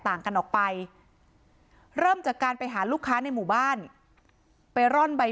ต่างกันออกไปเริ่มจากการไปหาลูกค้าในหมู่บ้านไปร่อนใบ